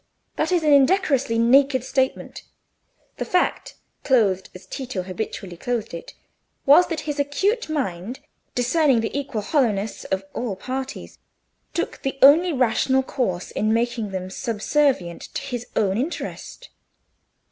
That is an indecorously naked statement; the fact, clothed as Tito habitually clothed it, was that his acute mind, discerning the equal hollowness of all parties, took the only rational course in making them subservient to his own interest.